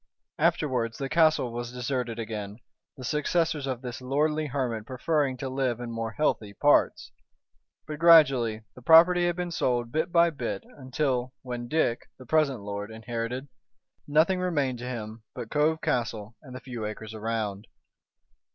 Afterwards the castle was deserted again, the successors of this lordly hermit preferring to live in more healthy parts. But gradually the property had been sold bit by bit, until, when Dick, the present lord, inherited, nothing remained to him but Cove Castle and the few acres around.